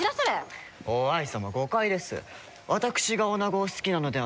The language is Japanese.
於愛様誤解です。